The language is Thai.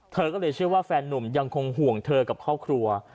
เธอก็เลยเชื่อว่าแฟนนุ่มยังคงห่วงเธอกับครอบครัว